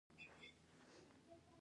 د مشهورو لغتونو ایستل لویه تېروتنه ده.